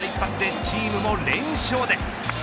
主砲の一発でチームも連勝です。